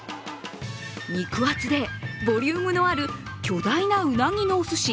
肉厚でボリュームのある巨大なうなぎのおすし。